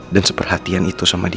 dan seperhatian itu sama dia